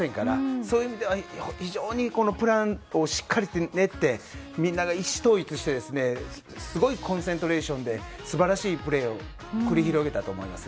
そういう意味では非常にプランをしっかり練ってみんなが意思統一してすごいコンセントレーションで素晴らしいプレーを繰り広げたと思います。